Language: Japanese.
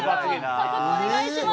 早速お願いします。